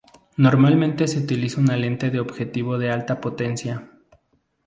Normalmente se utiliza una lente de objetivo de alta potencia.